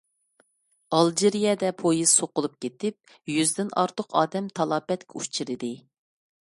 ئالجىرىيەدە پويىز سوقۇلۇپ كېتىپ، يۈزدىن ئارتۇق ئادەم تالاپەتكە ئۇچرىدى.